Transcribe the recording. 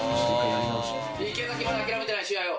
池崎、まだ諦めてない、試合を。